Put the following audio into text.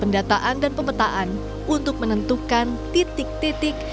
pendataan dan pemetaan untuk menentukan titik titik